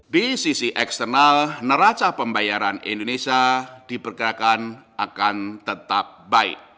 di sisi eksternal neraca pembayaran indonesia diperkirakan akan tetap baik